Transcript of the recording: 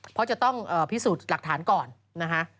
เพราะจะต้องพิสูจน์หลักฐานก่อนนะคะ